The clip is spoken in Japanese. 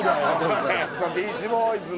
『ビーチボーイズ』の。